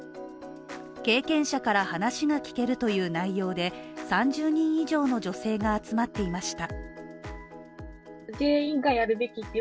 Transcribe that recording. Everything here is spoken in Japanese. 経験者から話が聞けるという内容で、３０人以上の女性が集まっていました。